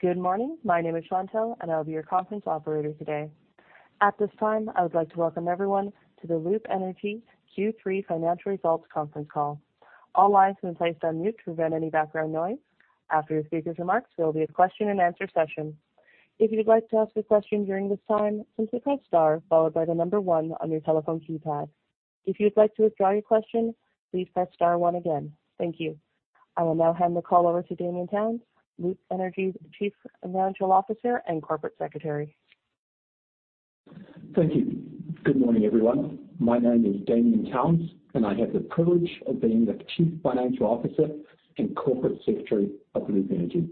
Good morning. My name is Chantelle, and I'll be your conference operator today. At this time, I would like to welcome everyone to the Loop Energy Q3 Financial Results Conference Call. All lines have been placed on mute to prevent any background noise. After the speaker's remarks, there'll be a question-and-answer session. If you'd like to ask a question during this time, simply press star followed by the number one on your telephone keypad. If you'd like to withdraw your question, please press star one again. Thank you. I will now hand the call over to Damian Towns, Loop Energy's Chief Financial Officer and Corporate Secretary. Thank you. Good morning, everyone. My name is Damian Towns, and I have the privilege of being the Chief Financial Officer and Corporate Secretary of Loop Energy.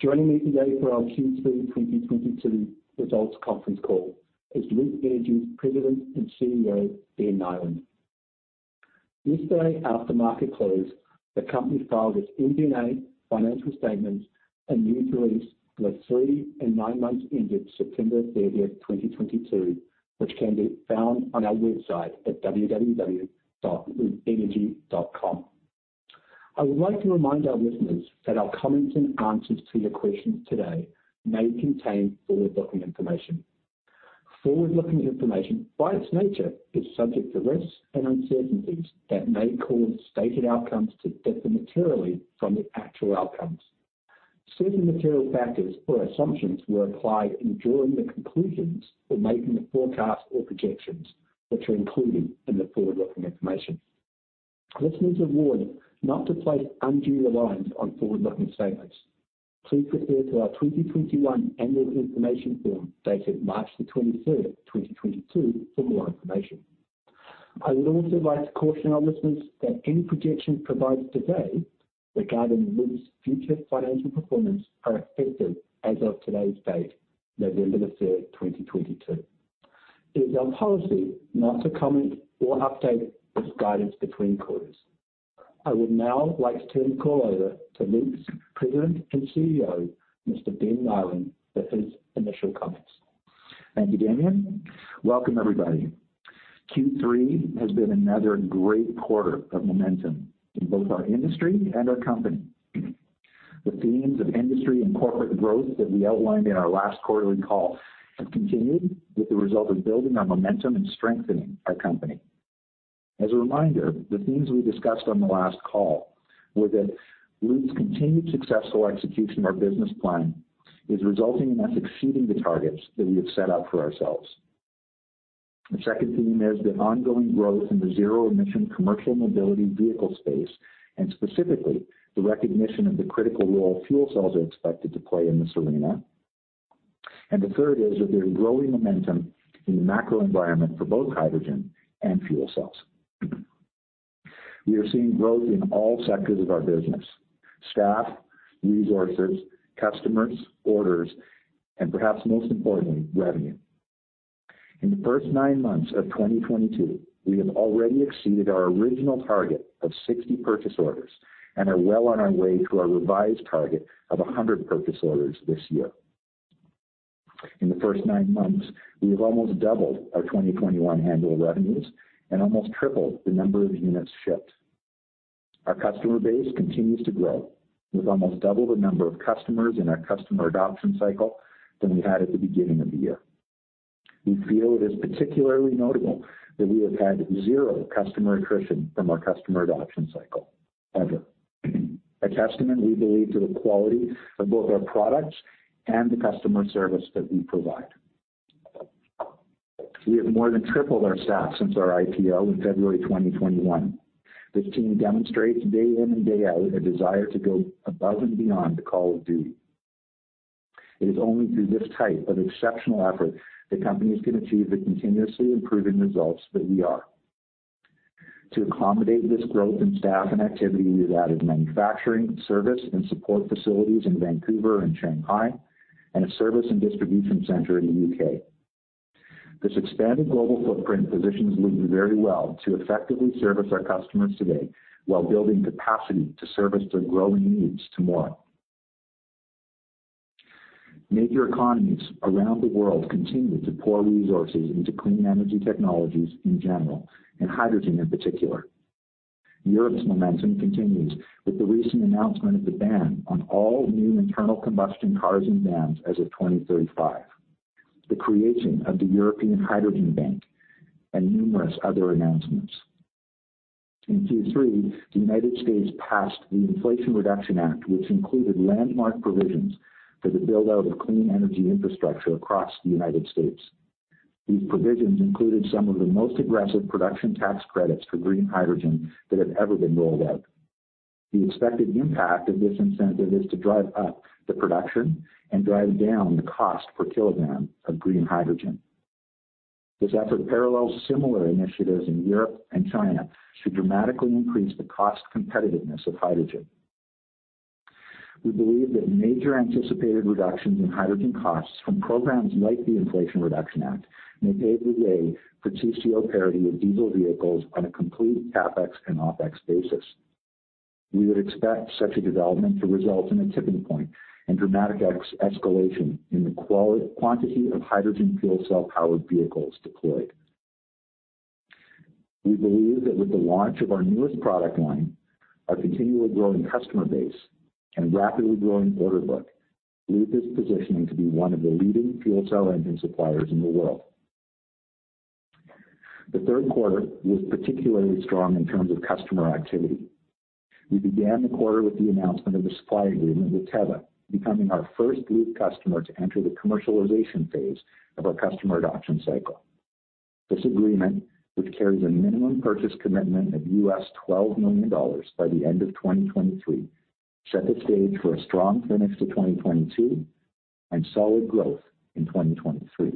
Joining me today for our Q3 2022 results conference call is Loop Energy's President and CEO, Ben Nyland. Yesterday, after market close, the company filed its MD&A financial statements and news release for the three and nine months ended September 30th, 2022, which can be found on our website at www.loopenergy.com. I would like to remind our listeners that our comments in answer to your questions today may contain forward-looking information. Forward-looking information, by its nature, is subject to risks and uncertainties that may cause stated outcomes to differ materially from the actual outcomes. Certain material factors or assumptions were applied in drawing the conclusions or making the forecasts or projections which are included in the forward-looking information. Listeners are warned not to place undue reliance on forward-looking statements. Please refer to our 2021 annual information form dated March 23, 2022 for more information. I would also like to caution our listeners that any projections provided today regarding Loop's future financial performance are effective as of today's date, November 3, 2022. It is our policy not to comment or update this guidance between quarters. I would now like to turn the call over to Loop's President and CEO, Mr. Ben Nyland, for his initial comments. Thank you, Damian. Welcome, everybody. Q3 has been another great quarter of momentum in both our industry and our company. The themes of industry and corporate growth that we outlined in our last quarterly call have continued with the result of building our momentum and strengthening our company. As a reminder, the themes we discussed on the last call were that Loop's continued successful execution of our business plan is resulting in us exceeding the targets that we have set out for ourselves. The second theme is the ongoing growth in the zero-emission commercial mobility vehicle space and specifically the recognition of the critical role fuel cells are expected to play in this arena. The third is that there's growing momentum in the macro environment for both hydrogen and fuel cells. We are seeing growth in all sectors of our business: staff, resources, customers, orders, and perhaps most importantly, revenue. In the first nine months of 2022, we have already exceeded our original target of 60 purchase orders and are well on our way to our revised target of 100 purchase orders this year. In the first nine months, we have almost doubled our 2021 annual revenues and almost tripled the number of units shipped. Our customer base continues to grow. We've almost doubled the number of customers in our customer adoption cycle than we had at the beginning of the year. We feel it is particularly notable that we have had zero customer attrition from our customer adoption cycle ever. A testament, we believe, to the quality of both our products and the customer service that we provide. We have more than tripled our staff since our IPO in February 2021. This team demonstrates day in and day out a desire to go above and beyond the call of duty. It is only through this type of exceptional effort that companies can achieve the continuously improving results that we are. To accommodate this growth in staff and activity, we've added manufacturing, service, and support facilities in Vancouver and Shanghai and a service and distribution center in the U.K. This expanded global footprint positions Loop very well to effectively service our customers today while building capacity to service their growing needs tomorrow. Major economies around the world continue to pour resources into clean energy technologies in general and hydrogen in particular. Europe's momentum continues with the recent announcement of the ban on all new internal combustion cars and vans as of 2035, the creation of the European Hydrogen Bank, and numerous other announcements. In Q3, the United States passed the Inflation Reduction Act, which included landmark provisions for the build-out of clean energy infrastructure across the United States. These provisions included some of the most aggressive production tax credits for green hydrogen that have ever been rolled out. The expected impact of this incentive is to drive up the production and drive down the cost per kilogram of green hydrogen. This effort parallels similar initiatives in Europe and China to dramatically increase the cost competitiveness of hydrogen. We believe that major anticipated reductions in hydrogen costs from programs like the Inflation Reduction Act may pave the way for TCO parity with diesel vehicles on a complete CapEx and OpEx basis. We would expect such a development to result in a tipping point and dramatic escalation in the quantity of hydrogen fuel cell-powered vehicles deployed. We believe that with the launch of our newest product line, our continually growing customer base, and rapidly growing order book, Loop is positioning to be one of the leading fuel cell engine suppliers in the world. The third quarter was particularly strong in terms of customer activity. We began the quarter with the announcement of the supply agreement with Tevva, becoming our first Loop customer to enter the commercialization phase of our customer adoption cycle. This agreement, which carries a minimum purchase commitment of $12 million by the end of 2023, set the stage for a strong finish to 2022 and solid growth in 2023.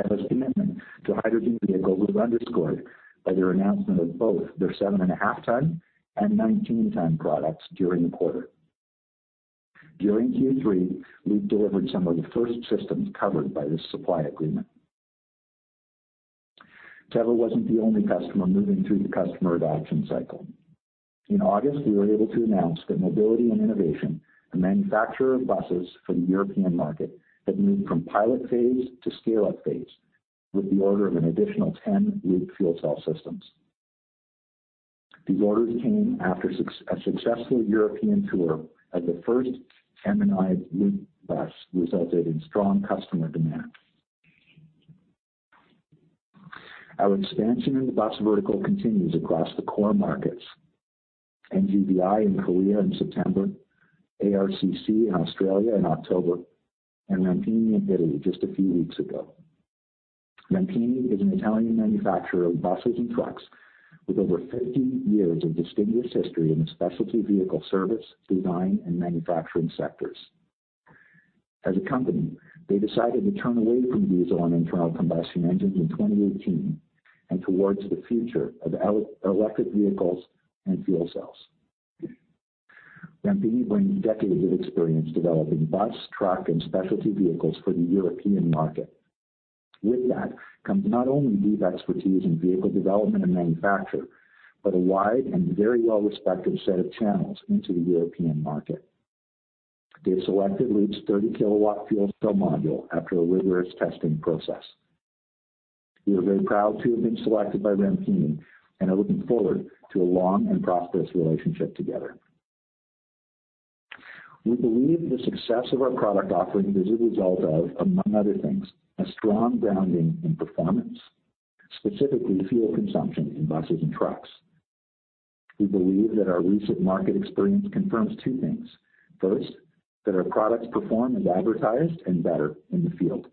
Tevva's commitment to hydrogen vehicles was underscored by their announcement of both their 7.5-ton and 19-ton products during the quarter. During Q3, Loop delivered some of the first systems covered by this supply agreement. Tevva wasn't the only customer moving through the customer adoption cycle. In August, we were able to announce that Mobility & Innovation, a manufacturer of buses for the European market, had moved from pilot phase to scale-up phase with the order of an additional 10 Loop fuel cell systems. These orders came after a successful European tour as the first M&I Loop bus resulted in strong customer demand. Our expansion in the bus vertical continues across the core markets, NGVI in Korea in September, ARCC in Australia in October, and Rampini in Italy just a few weeks ago. Rampini is an Italian manufacturer of buses and trucks with over 50 years of distinguished history in the specialty vehicle service, design, and manufacturing sectors. As a company, they decided to turn away from diesel and internal combustion engines in 2018 and towards the future of electric vehicles and fuel cells. Rampini brings decades of experience developing bus, truck, and specialty vehicles for the European market. With that comes not only deep expertise in vehicle development and manufacture, but a wide and very well-respected set of channels into the European market. They selected Loop's 30 kW fuel cell module after a rigorous testing process. We are very proud to have been selected by Rampini, and are looking forward to a long and prosperous relationship together. We believe the success of our product offering is a result of, among other things, a strong grounding in performance, specifically fuel consumption in buses and trucks. We believe that our recent market experience confirms two things. First, that our products perform as advertised and better in the field.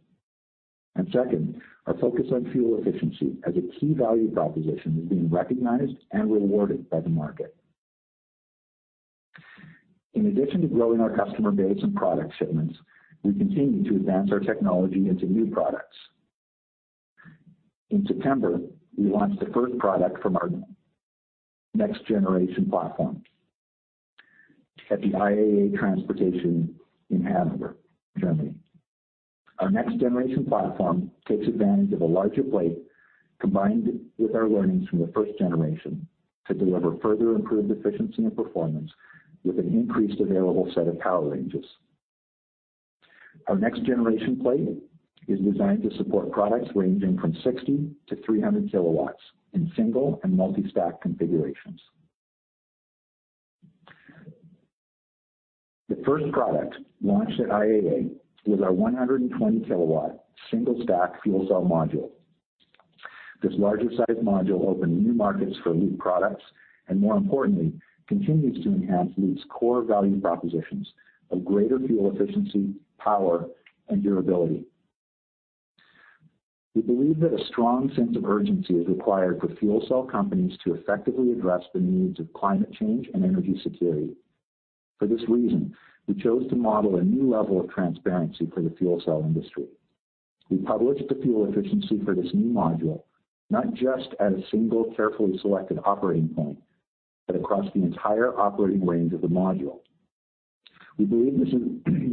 Second, our focus on fuel efficiency as a key value proposition is being recognized and rewarded by the market. In addition to growing our customer base and product shipments, we continue to advance our technology into new products. In September, we launched the first product from our next generation platform at the IAA Transportation in Hanover, Germany. Our next generation platform takes advantage of a larger plate combined with our learnings from the first generation to deliver further improved efficiency and performance with an increased available set of power ranges. Our next generation plate is designed to support products ranging from 60-300 kW in single and multi-stack configurations. The first product launched at IAA was our 120-kW single-stack fuel cell module. This larger-sized module opened new markets for Loop products, and more importantly, continues to enhance Loop's core value propositions of greater fuel efficiency, power, and durability. We believe that a strong sense of urgency is required for fuel cell companies to effectively address the needs of climate change and energy security. For this reason, we chose to model a new level of transparency for the fuel cell industry. We published the fuel efficiency for this new module, not just at a single carefully selected operating point, but across the entire operating range of the module. We believe this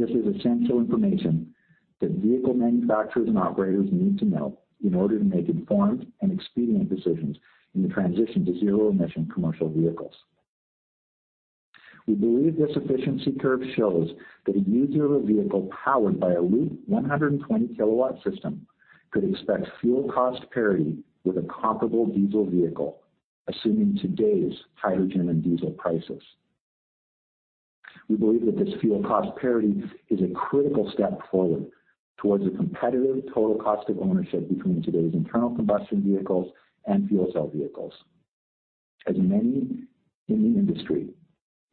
is essential information that vehicle manufacturers and operators need to know in order to make informed and expedient decisions in the transition to zero-emission commercial vehicles. We believe this efficiency curve shows that a medium vehicle powered by a Loop 120 kW system could expect fuel cost parity with a comparable diesel vehicle, assuming today's hydrogen and diesel prices. We believe that this fuel cost parity is a critical step forward towards a competitive total cost of ownership between today's internal combustion vehicles and fuel cell vehicles. As many in the industry,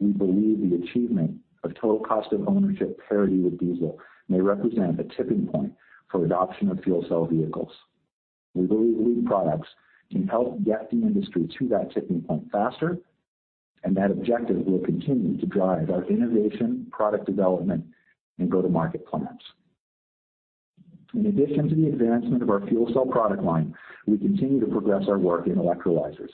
we believe the achievement of total cost of ownership parity with diesel may represent a tipping point for adoption of fuel cell vehicles. We believe Loop products can help get the industry to that tipping point faster, and that objective will continue to drive our innovation, product development, and go-to-market plans. In addition to the advancement of our fuel cell product line, we continue to progress our work in electrolyzers.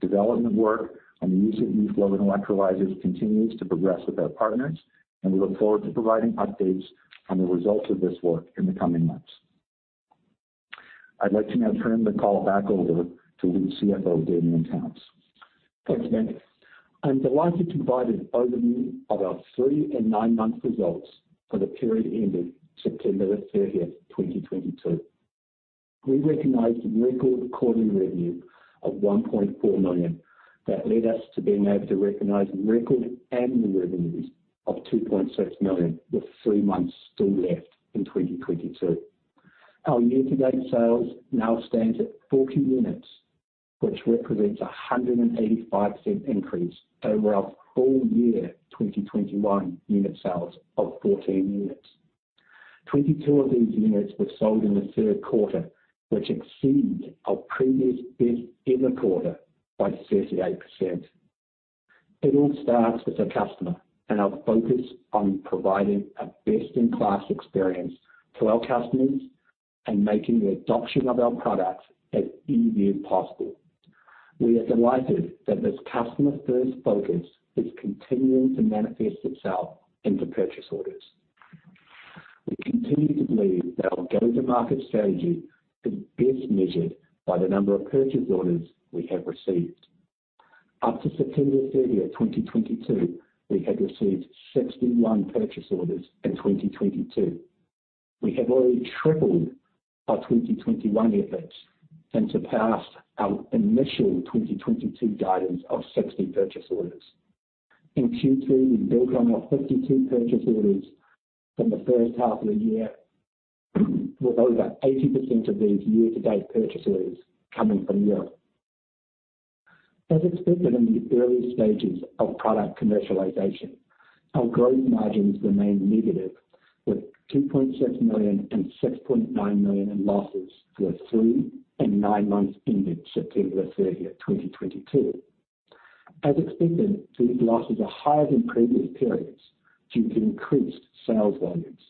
Development work on the use of these low-end electrolyzers continues to progress with our partners, and we look forward to providing updates on the results of this work in the coming months. I'd like to now turn the call back over to Loop CFO, Damian Towns. Thanks, Ben. I'm delighted to provide an overview of our three- and nine-month results for the period ending September 30, 2022. We recognized record quarterly revenue of 1.4 million that led us to being able to recognize record annual revenues of 2.6 million, with three months still left in 2022. Our year-to-date sales now stands at 40 units, which represents a 185% increase over our full year 2021 unit sales of 14 units. 22 of these units were sold in the third quarter, which exceeds our previous best in the quarter by 38%. It all starts with the customer and our focus on providing a best-in-class experience to our customers and making the adoption of our products as easy as possible. We are delighted that this customer's first focus is continuing to manifest itself into purchase orders. We continue to believe that our go-to-market strategy is best measured by the number of purchase orders we have received. Up to September 30, 2022, we had received 61 purchase orders in 2022. We have already tripled our 2021 efforts and surpassed our initial 2022 guidance of 60 purchase orders. In Q2, we built on our 52 purchase orders from the first half of the year, with over 80% of these year-to-date purchase orders coming from Europe. As expected in the early stages of product commercialization, our gross margins remain negative with 2.6 million and 6.9 million in losses for the three and nine months ended September 30, 2022. As expected, these losses are higher than previous periods due to increased sales volumes.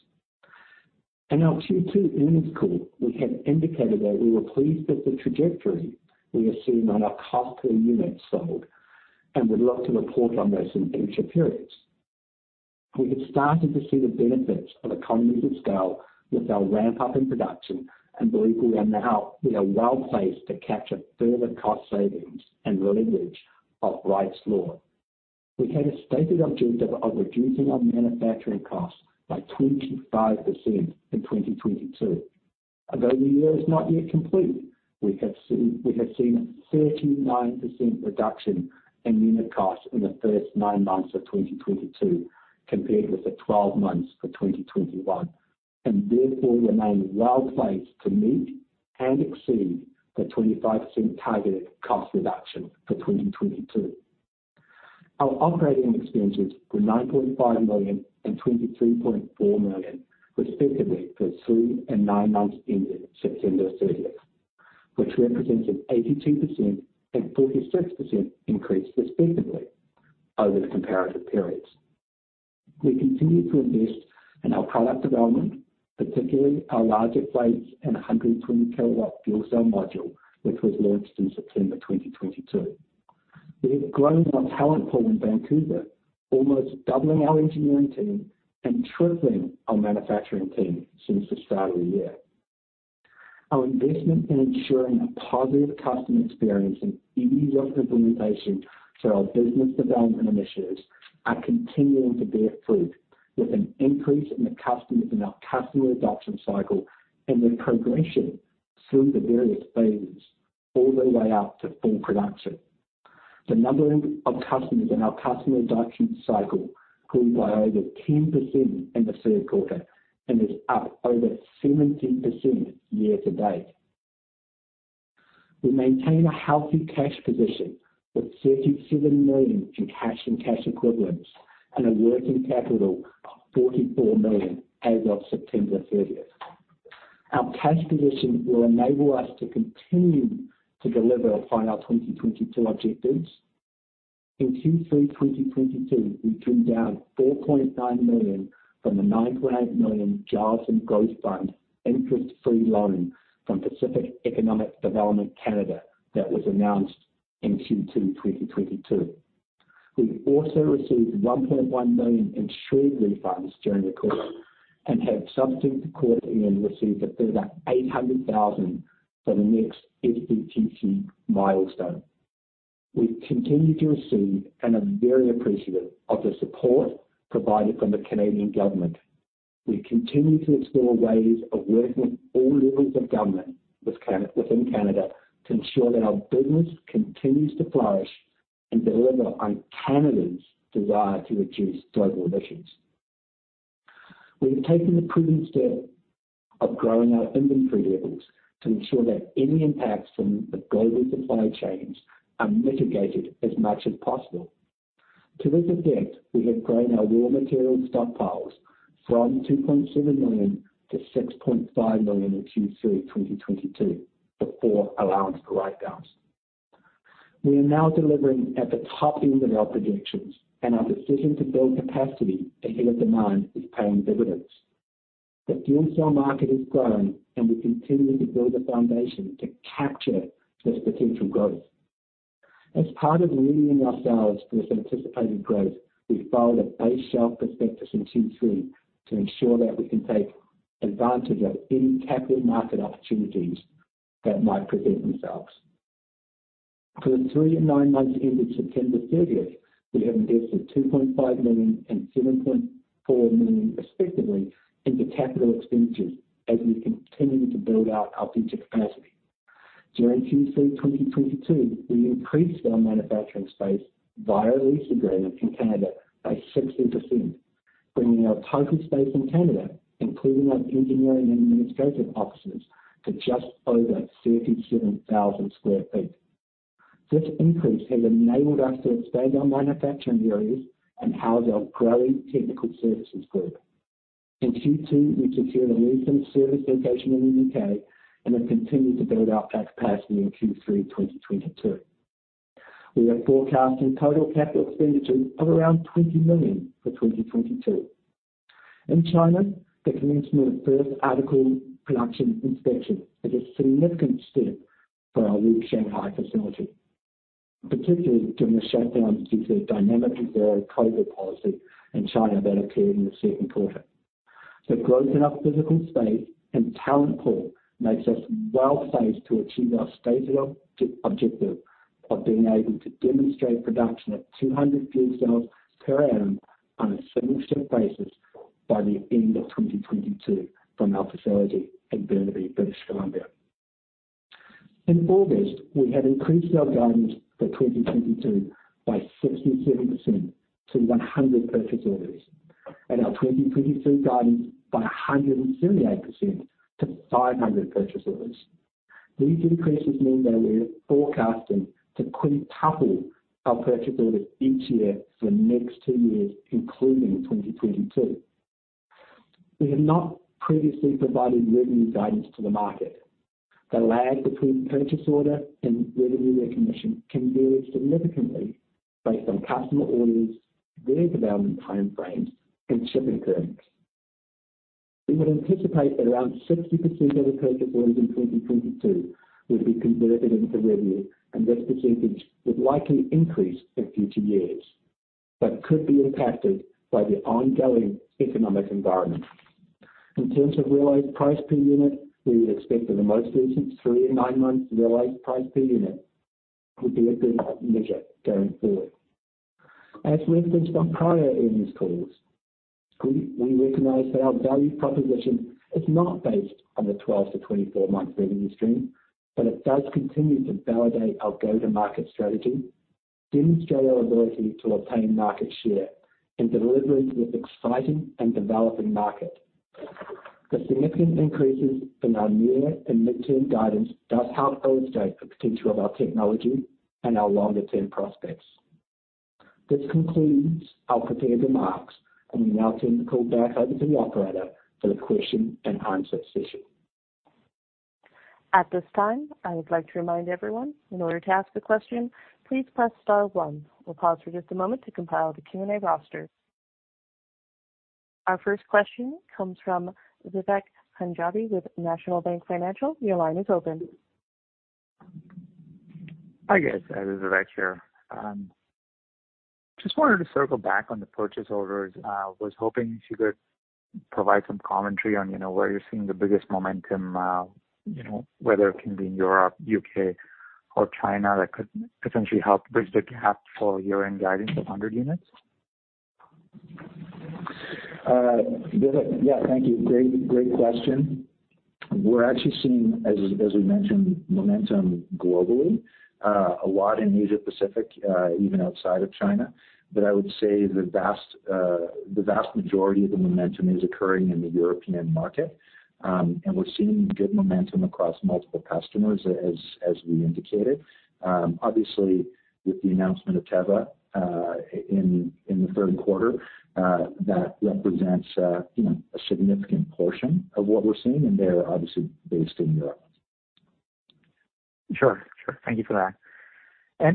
In our Q2 earnings call, we had indicated that we were pleased with the trajectory we are seeing on our cost per unit sold and would love to report on those in future periods. We have started to see the benefits of economies of scale with our ramp-up in production and believe we are well-placed to capture further cost savings and leverage of Wright's Law. We had a stated objective of reducing our manufacturing costs by 25% in 2022. Although the year is not yet complete, we have seen a 39% reduction in unit costs in the first nine months of 2022 compared with the 12 months for 2021, and therefore remain well-placed to meet and exceed the 25% targeted cost reduction for 2022. Our operating expenses were 9.5 million and 23.4 million, respectively, for 3 and 9 months ended September 30, which represents an 82% and 46% increase, respectively, over the comparative periods. We continue to invest in our product development, particularly our larger plates and 120 kW fuel cell module, which was launched in September 2022. We have grown our talent pool in Vancouver, almost doubling our engineering team and tripling our manufacturing team since the start of the year. Our investment in ensuring a positive customer experience and ease of implementation to our business development initiatives are continuing to bear fruit with an increase in the customers in our customer adoption cycle and their progression through the various phases all the way up to full production. The number of customers in our customer adoption cycle grew by over 10% in the third quarter and is up over 17% year to date. We maintain a healthy cash position with 37 million in cash and cash equivalents and a working capital of 44 million as of September 30. Our cash position will enable us to continue to deliver upon our 2022 objectives. In Q3 2022, we drew down 4.9 million from the 9.8 million Jobs and Growth Fund interest-free loan from Pacific Economic Development Canada that was announced in Q2 2022. We also received 1.1 million insured refunds during the quarter and have something to call in and receive a further 800,000 for the next SDTC milestone. We continue to receive and are very appreciative of the support provided from the Canadian government. We continue to explore ways of working within Canada to ensure that our business continues to flourish and deliver on Canada's desire to reduce global emissions. We have taken the prudent step of growing our inventory levels to ensure that any impacts from the global supply chains are mitigated as much as possible. To this effect, we have grown our raw material stockpiles from 2.7 million to 6.5 million in Q3 2022 before allowing for write-downs. We are now delivering at the top end of our projections, and our decision to build capacity ahead of demand is paying dividends. The fuel cell market is growing, and we're continuing to build a foundation to capture this potential growth. As part of readying ourselves for this anticipated growth, we filed a base shelf prospectus in Q3 to ensure that we can take advantage of any capital market opportunities that might present themselves. For the three and nine months ended September 30, we have invested 2.5 million and 7.4 million respectively into capital expenditures as we continue to build out our future capacity. During Q3 2022, we increased our manufacturing space via a lease agreement in Canada by 60%, bringing our total space in Canada, including our engineering and administrative offices, to just over 37,000 sq ft. This increase has enabled us to expand our manufacturing areas and house our growing technical services group. In Q2, we secured a recent service location in the U.K. and have continued to build out capacity in Q3 2022. We are forecasting total capital expenditures of around 20 million for 2022. In China, the commencement of First Article Inspection is a significant step for our Wuxi, Shanghai facility, particularly during the shutdown due to the dynamic zero-COVID policy in China that occurred in the second quarter. The growth in our physical space and talent pool makes us well-placed to achieve our stated objective of being able to demonstrate production at 200 fuel cells per annum on a semi-step basis by the end of 2022 from our facility in Burnaby, British Columbia. In August, we had increased our guidance for 2022 by 67% to 100 purchase orders, and our 2023 guidance by 178% to 500 purchase orders. These increases mean that we're forecasting to quintuple our purchase orders each year for the next two years, including 2022. We have not previously provided revenue guidance to the market. The lag between purchase order and revenue recognition can vary significantly based on customer orders, development time frames, and shipping terms. We would anticipate that around 60% of the purchase orders in 2022 will be converted into revenue, and this percentage would likely increase in future years but could be impacted by the ongoing economic environment. In terms of realized price per unit, we would expect that the most recent 3- and 9-month realized price per unit would be a good measure going forward. As referenced on prior earnings calls, we recognize that our value proposition is not based on the 12-24-month revenue stream, but it does continue to validate our go-to-market strategy, demonstrate our ability to obtain market share, and deliver in this exciting and developing market. The significant increases in our near and mid-term guidance does help illustrate the potential of our technology and our longer-term prospects. This concludes our prepared remarks, and we now turn the call back over to the operator for the question and answer session. At this time, I would like to remind everyone, in order to ask a question, please press star one. We'll pause for just a moment to compile the Q&A roster. Our first question comes from Viveck Panjabi with National Bank Financial. Your line is open. Hi, guys. It is Viveck here. Just wanted to circle back on the purchase orders. Was hoping if you could provide some commentary on, you know, where you're seeing the biggest momentum, you know, whether it can be in Europe, U.K., or China that could potentially help bridge the gap for year-end guidance of 100 units? Viveck. Yeah, thank you. Great question. We're actually seeing, as we mentioned, momentum globally, a lot in Asia Pacific, even outside of China. I would say the vast majority of the momentum is occurring in the European market, and we're seeing good momentum across multiple customers as we indicated. Obviously, with the announcement of Tevva in the third quarter, that represents, you know, a significant portion of what we're seeing, and they're obviously based in Europe. Sure. Thank you for that.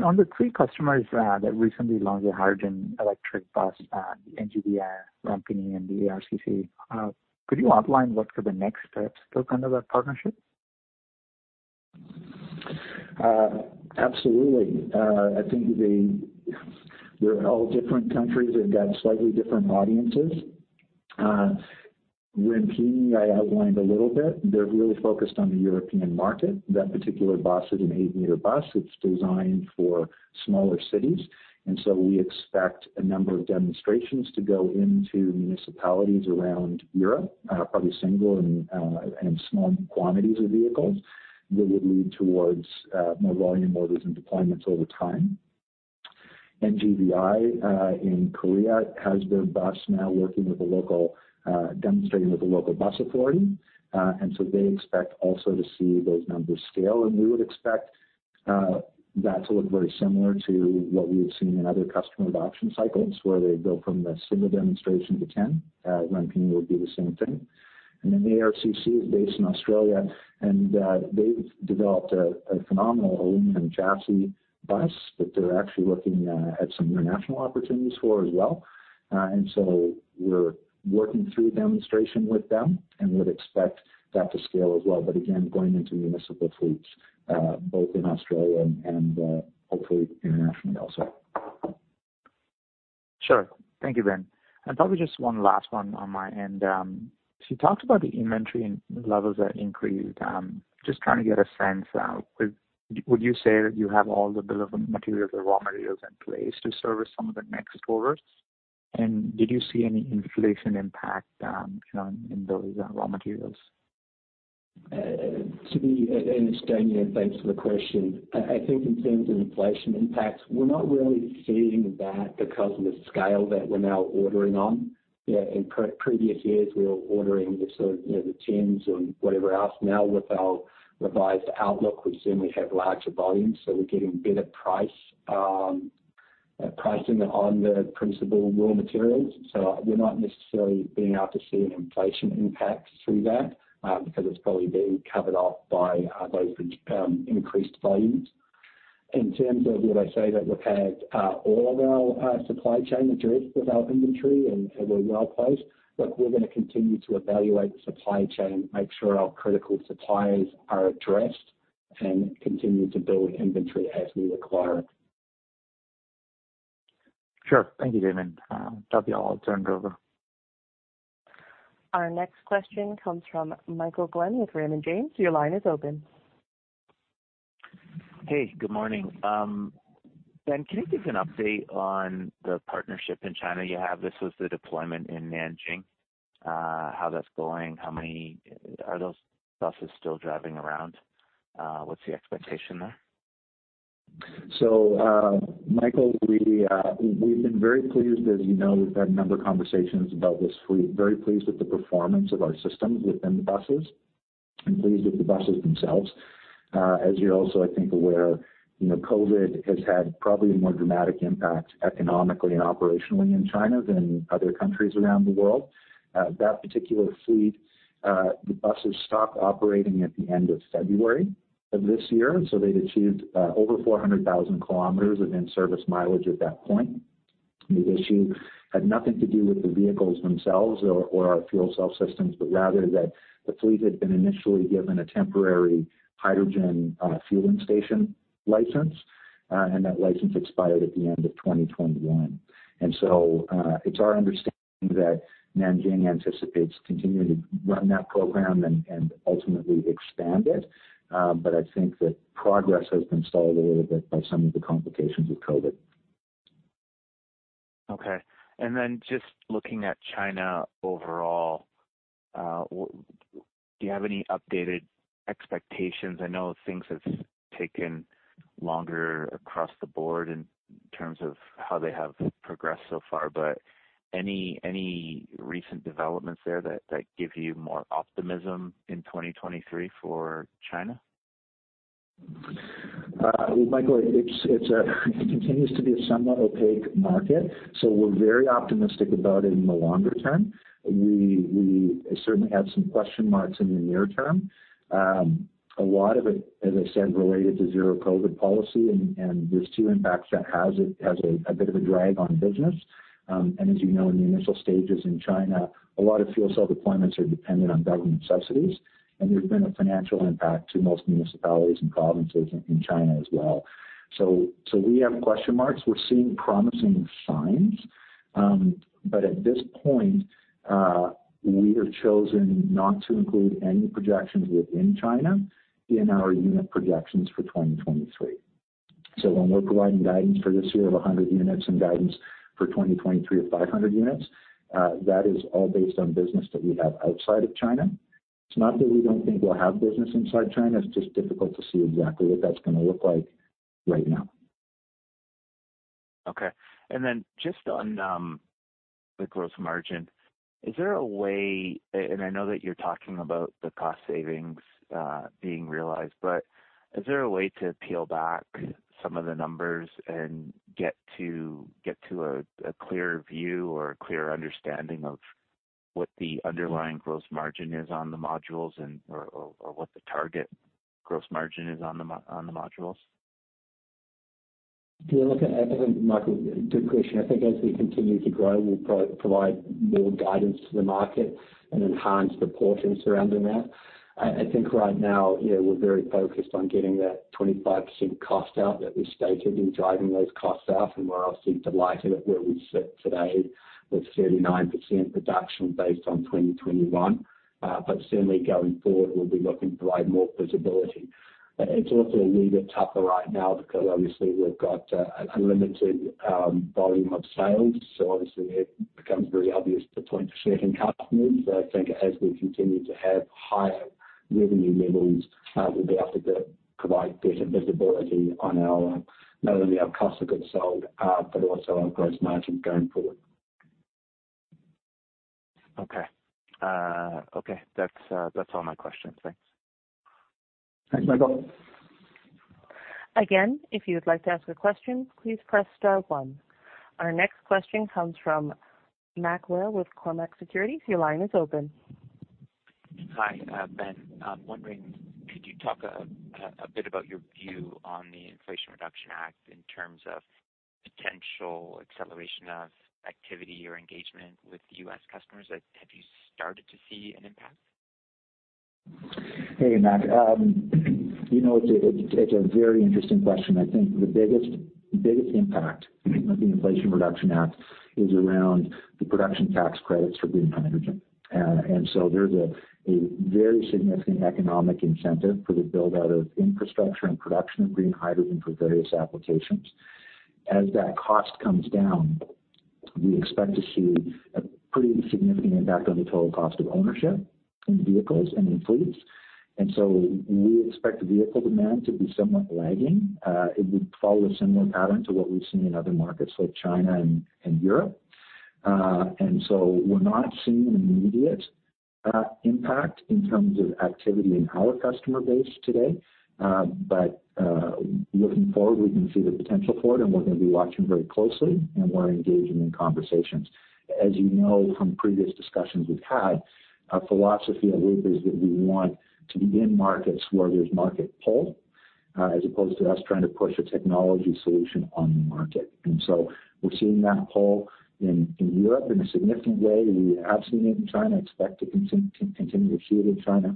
On the three customers that recently launched the hydrogen electric bus, the NGVI company and the ARCC, could you outline what are the next steps to kind of that partnership? Absolutely. I think they're all different countries. They've got slightly different audiences. Rampini I outlined a little bit. They're really focused on the European market. That particular bus is an eight-meter bus. It's designed for smaller cities, so we expect a number of demonstrations to go into municipalities around Europe, probably single and small quantities of vehicles that would lead towards more volume orders and deployments over time. NGVI in Korea has their bus now working with the local, demonstrating with the local bus authority, so they expect also to see those numbers scale. We would expect that to look very similar to what we've seen in other customer adoption cycles where they go from the single demonstration to 10. Rampini will do the same thing. ARCC is based in Australia, and they've developed a phenomenal aluminum chassis bus that they're actually looking at some international opportunities for as well. We're working through demonstration with them and would expect that to scale as well. Again, going into municipal fleets, both in Australia and hopefully internationally also. Sure. Thank you, Ben. Probably just one last one on my end. You talked about the inventory levels that increased. Just trying to get a sense out with would you say that you have all the bill of materials or raw materials in place to service some of the next orders? Did you see any inflation impact on in those raw materials? To be honest, Viveck, thanks for the question. I think in terms of inflation impacts, we're not really seeing that because of the scale that we're now ordering on. In previous years, we were ordering the sort of, you know, the tens or whatever else. Now with our revised outlook, we certainly have larger volumes, so we're getting better pricing on the principal raw materials. So we're not necessarily being able to see an inflation impact through that, because it's probably being covered off by those increased volumes. In terms of, did I say that we've had all of our supply chain addressed with our inventory and we're well-placed. Look, we're gonna continue to evaluate the supply chain, make sure our critical suppliers are addressed and continue to build inventory as we require it. Sure. Thank you, Viveck. That'll be all. I'll turn it over. Our next question comes from Michael Glen with Raymond James. Your line is open. Hey, good morning. Ben, can you give an update on the partnership in China you have? This was the deployment in Nanjing, how that's going. Are those buses still driving around? What's the expectation there? Michael, we've been very pleased. As you know, we've had a number of conversations about this fleet. Very pleased with the performance of our systems within the buses and pleased with the buses themselves. As you're also, I think, aware, you know, COVID has had probably a more dramatic impact economically and operationally in China than other countries around the world. That particular fleet, the buses stopped operating at the end of February of this year, and so they'd achieved over 400,000 kilometers of in-service mileage at that point. The issue had nothing to do with the vehicles themselves or our fuel cell systems, but rather that the fleet had been initially given a temporary hydrogen fueling station license, and that license expired at the end of 2021. It's our understanding that Nanjing anticipates continuing to run that program and ultimately expand it. I think that progress has been stalled a little bit by some of the complications with COVID. Just looking at China overall, do you have any updated expectations? I know things have taken longer across the board in terms of how they have progressed so far, but any recent developments there that give you more optimism in 2023 for China? Well, Michael, it continues to be a somewhat opaque market, so we're very optimistic about it in the longer term. We certainly have some question marks in the near term. A lot of it, as I said, related to zero-COVID policy and there's two impacts that has a bit of a drag on business. As you know, in the initial stages in China, a lot of fuel cell deployments are dependent on government subsidies, and there's been a financial impact to most municipalities and provinces in China as well. We have question marks. We're seeing promising signs, but at this point, we have chosen not to include any projections within China in our unit projections for 2023. When we're providing guidance for this year of 100 units and guidance for 2023 of 500 units, that is all based on business that we have outside of China. It's not that we don't think we'll have business inside China, it's just difficult to see exactly what that's gonna look like right now. Okay. Then just on the gross margin, is there a way? And I know that you're talking about the cost savings being realized, but is there a way to peel back some of the numbers and get to a clearer view or a clearer understanding of what the underlying gross margin is on the modules and or what the target gross margin is on the modules? If you look at it, I think, Michael, good question. I think as we continue to grow, we'll provide more guidance to the market and enhance the portions surrounding that. I think right now, you know, we're very focused on getting that 25% cost out that we stated in driving those costs out, and we're obviously delighted at where we sit today with 39% reduction based on 2021. But certainly going forward, we'll be looking to provide more visibility. It's also a little bit tougher right now because obviously we've got a limited volume of sales, so obviously it becomes very obvious to point to second customers. I think as we continue to have higher revenue levels, we'll be able to provide better visibility on our, not only our cost of goods sold, but also our gross margin going forward. Okay. Okay, that's all my questions. Thanks. Thanks, Michael. Again, if you would like to ask a question, please press star one. Our next question comes from Mac Whale with Cormark Securities. Your line is open. Hi. Ben, I'm wondering, could you talk a bit about your view on the Inflation Reduction Act in terms of potential acceleration of activity or engagement with U.S. customers? Like, have you started to see an impact? Hey, Mac. You know, it's a very interesting question. I think the biggest impact of the Inflation Reduction Act is around the production tax credits for green hydrogen. There's a very significant economic incentive for the build-out of infrastructure and production of green hydrogen for various applications. As that cost comes down, we expect to see a pretty significant impact on the total cost of ownership in vehicles and in fleets. We expect the vehicle demand to be somewhat lagging. It would follow a similar pattern to what we've seen in other markets like China and Europe. We're not seeing an immediate impact in terms of activity in our customer base today. Looking forward, we can see the potential for it, and we're gonna be watching very closely, and we're engaging in conversations. As you know from previous discussions we've had, our philosophy at Loop is that we want to be in markets where there's market pull, as opposed to us trying to push a technology solution on the market. We're seeing that pull in Europe in a significant way. We absolutely in China expect to continue to see it in China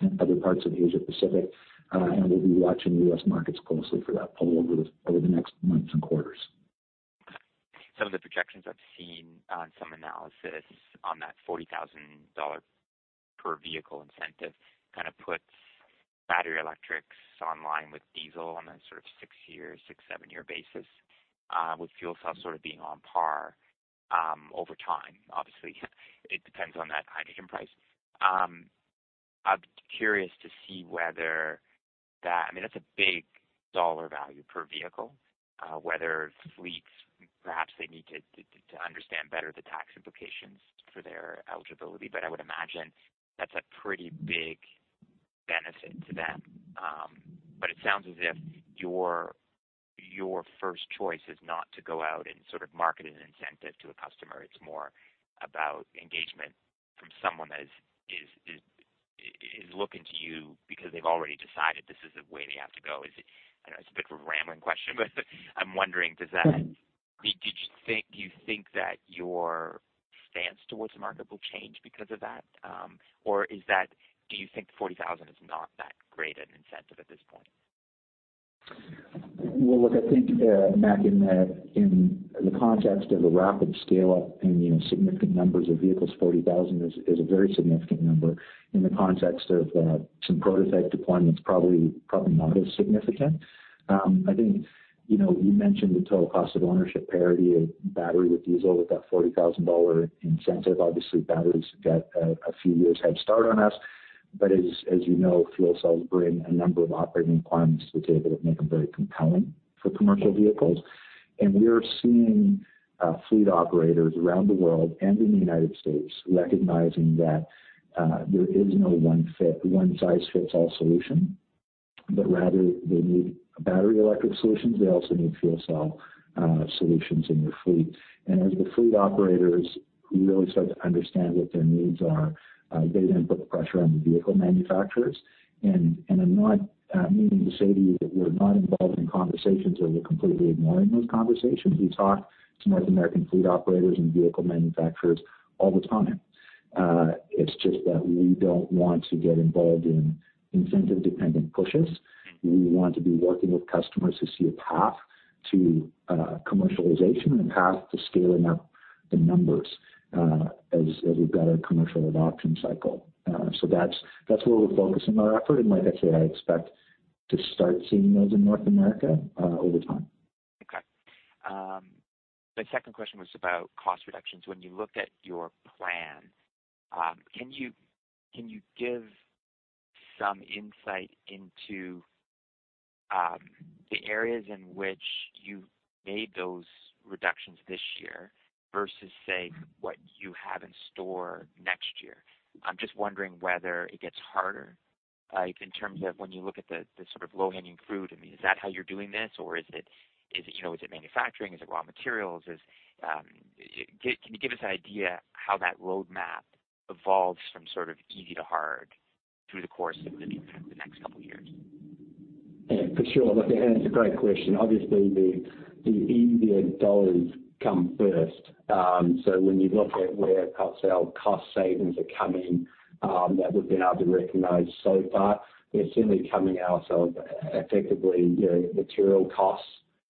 and other parts of Asia-Pacific, and we'll be watching U.S. markets closely for that pull over the next months and quarters. Some of the projections I've seen on some analysis on that $40,000 per vehicle incentive kinda puts battery electrics online with diesel on a sort of 6-7-year basis, with fuel cells sort of being on par over time. Obviously it depends on that hydrogen price. I'm curious to see whether that. I mean, that's a big dollar value per vehicle, whether fleets perhaps they need to understand better the tax implications for their eligibility. I would imagine that's a pretty big benefit to them. It sounds as if your first choice is not to go out and sort of market an incentive to a customer. It's more about engagement from someone that is looking to you because they've already decided this is the way they have to go. Is it I know it's a bit of a rambling question, but I'm wondering, does that? Mm-hmm. Do you think that your stance toward market will change because of that? Do you think 40,000 is not that great an incentive at this point? Well, look, I think, Mac, in the context of the rapid scale-up and, you know, significant numbers of vehicles, 40,000 is a very significant number. In the context of some prototype deployments, probably not as significant. I think, you know, you mentioned the total cost of ownership parity of battery with diesel with that $40,000 incentive. Obviously, batteries get a few years head start on us. But as you know, fuel cells bring a number of operating requirements to the table that make them very compelling for commercial vehicles. We're seeing fleet operators around the world and in the United States recognizing that there is no one fit, one-size-fits-all solution, but rather they need battery electric solutions, they also need fuel cell solutions in their fleet. As the fleet operators really start to understand what their needs are, they then put pressure on the vehicle manufacturers. I'm not meaning to say to you that we're not involved in conversations or we're completely ignoring those conversations. We talk to North American fleet operators and vehicle manufacturers all the time. It's just that we don't want to get involved in incentive-dependent pushes. We want to be working with customers to see a path to commercialization and a path to scaling up the numbers, as we've got a customer adoption cycle. That's where we're focusing our effort. Like I say, I expect to start seeing those in North America over time. Okay. My second question was about cost reductions. When you look at your plan, can you give some insight into the areas in which you've made those reductions this year versus, say, what you have in store next year? I'm just wondering whether it gets harder, like in terms of when you look at the sort of low-hanging fruit. I mean, is that how you're doing this, or is it, you know, is it manufacturing? Is it raw materials? Can you give us an idea how that roadmap evolves from sort of easy to hard through the course of the next couple years? Yeah, for sure. Look, it's a great question. Obviously, the easier dollars come first. When you look at where our scale cost savings are coming that we've been able to recognize so far, they're certainly coming out of effectively, you know, material costs,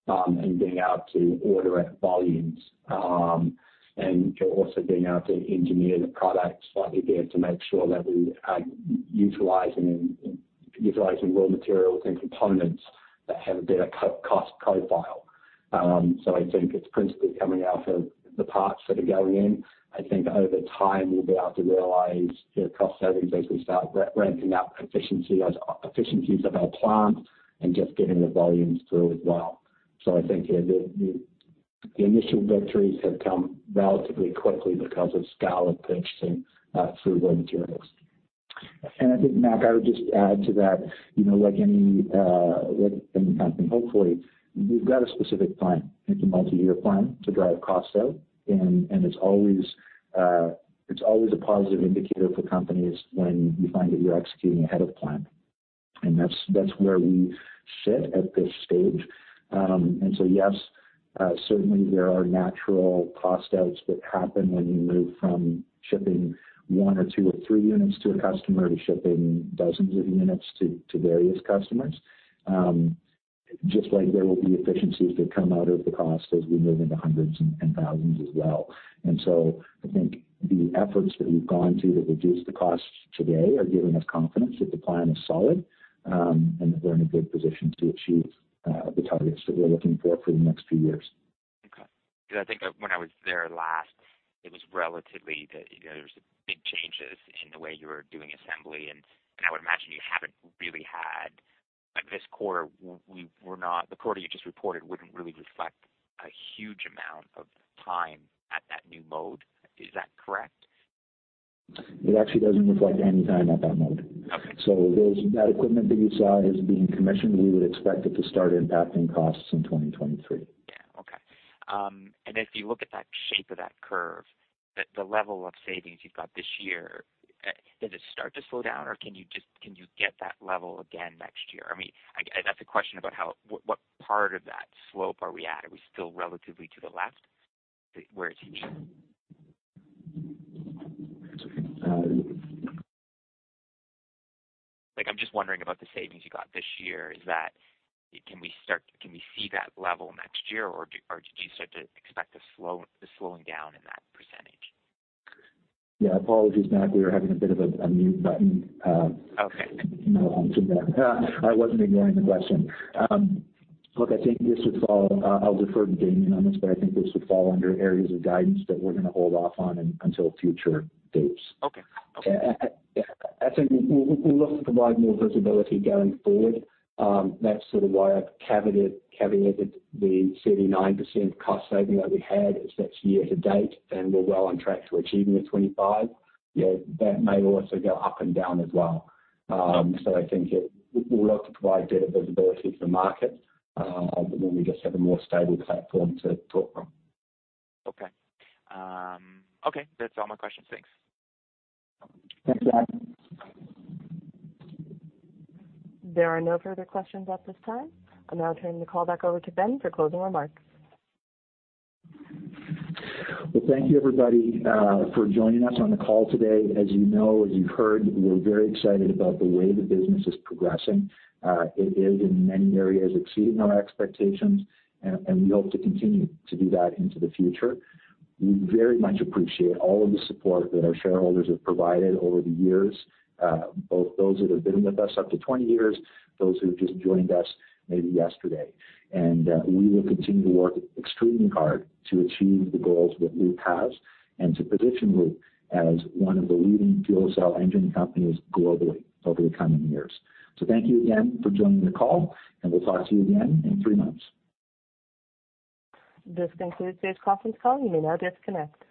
and being able to order at volumes. Also being able to engineer the product slightly better to make sure that we are utilizing raw materials and components that have a better cost profile. I think it's principally coming out of the parts that are going in. I think over time, we'll be able to realize, you know, cost savings as we start ramping up efficiencies of our plant and just getting the volumes through as well. I think the initial victories have come relatively quickly because of scale of purchasing through raw materials. I think, Mac, I would just add to that, you know, like any company, hopefully we've got a specific plan. It's a multi-year plan to drive costs out. It's always a positive indicator for companies when you find that you're executing ahead of plan. That's where we sit at this stage. Yes, certainly there are natural cost outs that happen when you move from shipping one or two or three units to a customer to shipping dozens of units to various customers. Just like there will be efficiencies that come out of the cost as we move into hundreds and thousands as well. I think the efforts that we've gone to reduce the costs today are giving us confidence that the plan is solid, and that we're in a good position to achieve the targets that we're looking for for the next few years. Okay. Because I think when I was there last, it was relatively the, you know, there was big changes in the way you were doing assembly and I would imagine you haven't really had. Like, this quarter, the quarter you just reported wouldn't really reflect a huge amount of time at that new mode. Is that correct? It actually doesn't reflect any time at that mode. Okay. That equipment that you saw is being commissioned. We would expect it to start impacting costs in 2023. Yeah. Okay. If you look at that shape of that curve, the level of savings you've got this year, does it start to slow down or can you get that level again next year? I mean, that's a question about how, what part of that slope are we at? Are we still relatively to the left where it's usually? Um- Like, I'm just wondering about the savings you got this year. Is that, can we see that level next year, or do you start to expect a slowing down in that percentage? Yeah. Apologies, Matt, we were having a bit of a mute button moment. Okay. I wasn't ignoring the question. I'll defer to Damian on this, but I think this would fall under areas of guidance that we're gonna hold off on until future dates. Okay. Okay. I think we'll look to provide more visibility going forward. That's sort of why I've caveated the 39% cost saving that we had as that's year to date, and we're well on track to achieving the 25%. You know, that may also go up and down as well. I think we'll look to provide better visibility to the market when we just have a more stable platform to talk from. Okay. Okay. That's all my questions. Thanks. Thanks, Mac. There are no further questions at this time. I'll now turn the call back over to Ben for closing remarks. Well, thank you, everybody, for joining us on the call today. As you know, as you've heard, we're very excited about the way the business is progressing. It is in many areas exceeding our expectations, and we hope to continue to do that into the future. We very much appreciate all of the support that our shareholders have provided over the years, both those that have been with us up to 20 years, those who've just joined us maybe yesterday. We will continue to work extremely hard to achieve the goals that Loop has and to position Loop as one of the leading fuel cell engine companies globally over the coming years. Thank you again for joining the call, and we'll talk to you again in 3 months. This concludes today's conference call. You may now disconnect.